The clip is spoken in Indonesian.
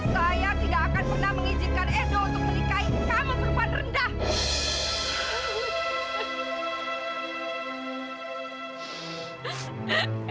saya tidak akan pernah mengizinkan edo untuk menikahi kamu perempuan rendah